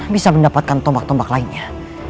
bisa mendapatkan tombak tombak lainnya